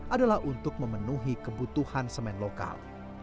adalah untuk memenuhi kebutuhan semen lokal